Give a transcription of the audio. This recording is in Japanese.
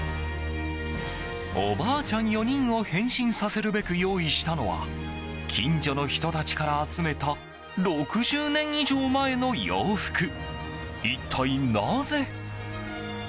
おばあちゃん４人を変身させるべく用意したのは近所の人たちから集めた６０年以上前の洋服。